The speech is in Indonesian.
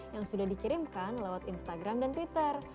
yang sudah dikirimkan lewat instagram dan twitter